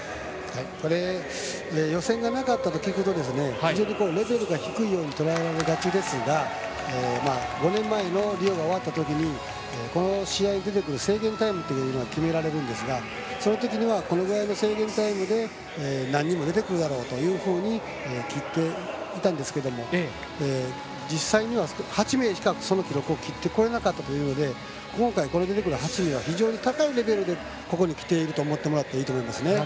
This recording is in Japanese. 予選がなかったと聞くと非常にレベルが低いようにとらえられがちですが５年前のリオが終わったときにこの試合に出てくる制限タイムというのが決められるんですがそのときにはこのくらいの制限タイムで何人も出てくるだろうと切っていたんですが実際には、８名しかその記録を切ってこれなかったので今回ここで出てくる８人は非常に高いレベルでここにきていると思っていいと思います。